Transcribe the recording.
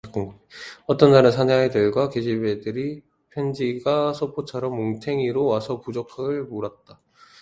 어떤 날은 사내아이들과 계집아이들의 편지가 소포처럼 뭉텡이로 와서 부족을 물었다.